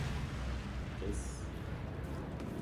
Es.